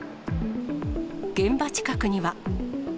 現場近くには。